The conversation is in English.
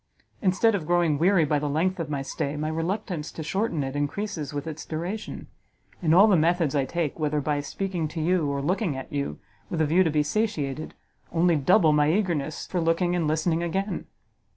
Instead of growing weary by the length of my stay, my reluctance to shorten it increases with its duration; and all the methods I take, whether by speaking to you or looking at you, with a view to be satiated, only double my eagerness for looking and listening again!